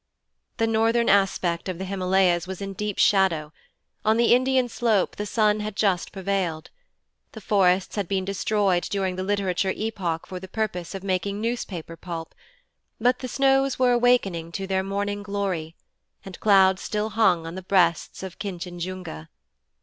The northern aspect of the Himalayas was in deep shadow: on the Indian slope the sun had just prevailed. The forests had been destroyed during the literature epoch for the purpose of making newspaper pulp, but the snows were awakening to their morning glory, and clouds still hung on the breasts of Kinchinjunga.